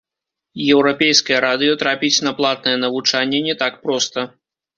Еўрапейскае радыё трапіць на платнае навучанне не так проста.